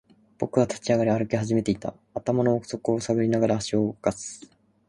僕は立ち上がり、歩き始めていた。頭の奥底を探りながら、足を動かす。